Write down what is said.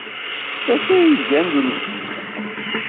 D acu ay d-gan d imekli?